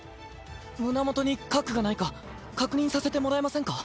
胸元に核がないか確認させてもらえませんか？